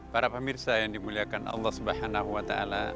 para pemirsa yang dimuliakan allah swt